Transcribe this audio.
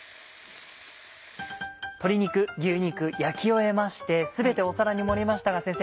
鶏肉牛肉焼き終えまして全て皿に盛りましたが先生